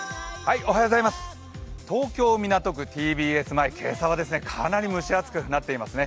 東京・港区ＴＢＳ前、今朝はかなり蒸し暑くなっていますね。